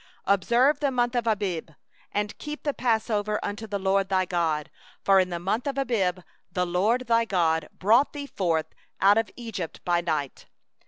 Observe the month of Abib, and keep the passover unto the LORD thy God; for in the month of Abib the LORD thy God brought thee forth out of Egypt by night.